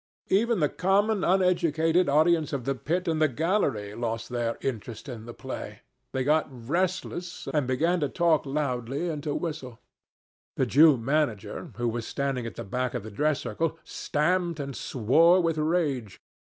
Even the common uneducated audience of the pit and gallery lost their interest in the play. They got restless, and began to talk loudly and to whistle. The Jew manager, who was standing at the back of the dress circle, stamped and swore with rage.